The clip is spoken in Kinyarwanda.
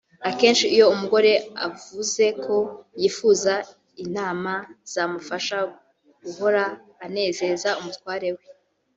Akenshi iyo umugore avuze ko yifuza inama zamufasha guhora anezeza umutware we